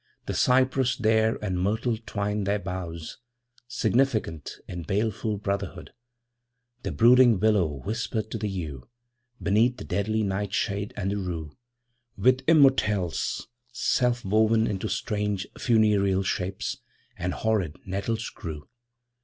The cypress there and myrtle twined their boughs, < 14 > Significant, in baleful brotherhood. 'The brooding willow whispered to the yew; Beneath, the deadly nightshade and the rue, With immortelles self woven into strange Funereal shapes, and horrid nettles grew.